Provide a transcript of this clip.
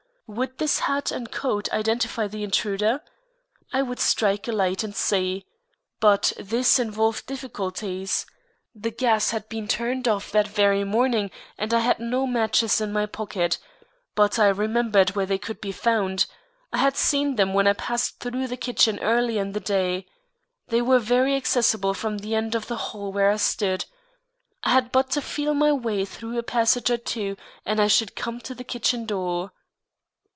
Would this hat and coat identify the intruder? I would strike a light and see. But this involved difficulties. The gas had been turned off that very morning and I had no matches in my pocket. But I remembered where they could be found. I had seen them when I passed through the kitchen earlier in the day. They were very accessible from the end of the hall where I stood. I had but to feel my way through a passage or two and I should come to the kitchen door.